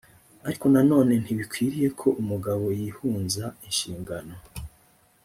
ariko nanone ntibikwiriye ko umugabo yihunza inshingano